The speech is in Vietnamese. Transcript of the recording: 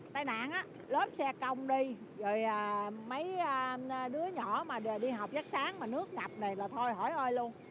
tai nạn á lớp xe công đi rồi mấy đứa nhỏ mà đi học giấc sáng mà nước ngập này là thôi hỏi ơi luôn